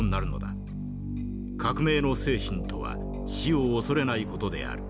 革命の精神とは死を恐れない事である。